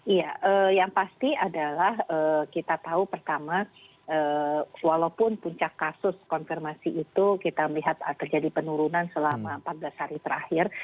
iya yang pasti adalah kita tahu pertama walaupun puncak kasus konfirmasi itu kita melihat terjadi penurunan selama empat belas hari terakhir